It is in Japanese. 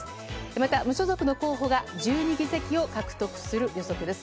また無所属の候補が１２議席を獲得する予測です。